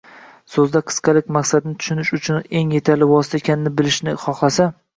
so‘zda qisqalik maqsadni tushunish uchun eng yetarli vosita ekanini bilishni xohlasa